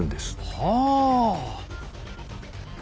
はあ！